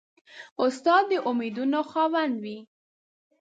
استاد د امیدونو خاوند وي.